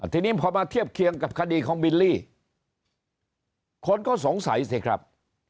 ทีนี้พอมาเทียบเคียงกับคดีของบิลลี่คนก็สงสัยสิครับ